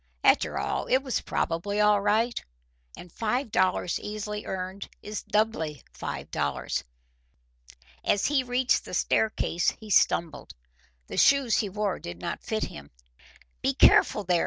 After all it was probably all right, and five dollars easily earned is doubly five dollars. As he reached the staircase he stumbled. The shoes he wore did not fit him. "Be careful, there!"